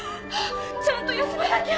ちゃんと休まなきゃ。